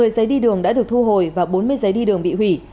một mươi giấy đi đường đã được thu hồi và bốn mươi giấy đi đường bị hủy